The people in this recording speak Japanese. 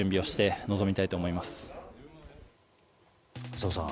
浅尾さん